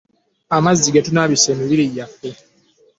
Amazzi getunabisa emibiri gyaffe.